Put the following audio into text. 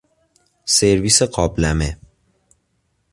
سرویس قابلمه